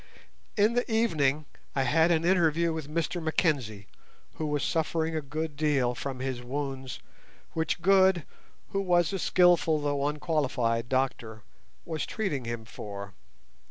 In the evening I had an interview with Mr Mackenzie, who was suffering a good deal from his wounds, which Good, who was a skilful though unqualified doctor, was treating him for.